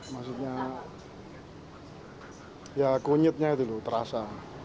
maksudnya ya kunyitnya itu loh terasa